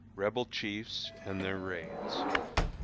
REBEL CHIEFS AND THEIR RAIDS.